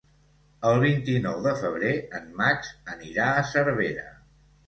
El vint-i-nou de febrer en Max anirà a Cervera.